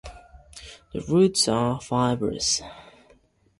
The roots are fibrous.